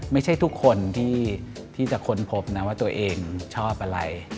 ไม่ใช่ทุกคนที่จะค้นพบนะว่าตัวเองชอบอะไร